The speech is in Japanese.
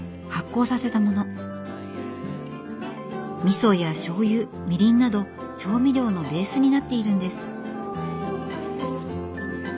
みそやしょうゆみりんなど調味料のベースになっているんです。